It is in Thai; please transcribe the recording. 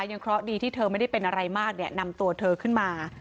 เคราะห์ดีที่เธอไม่ได้เป็นอะไรมากเนี่ยนำตัวเธอขึ้นมา